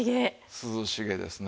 涼しげですね。